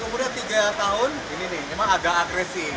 kemudian tiga tahun ini nih emang agak agresif